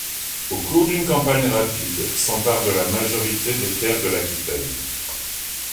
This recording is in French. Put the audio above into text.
Au cours d’une campagne rapide, s’empare de la majorité des terres de l’Aquitaine.